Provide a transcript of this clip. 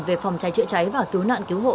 về phòng cháy chữa cháy và cứu nạn cứu hộ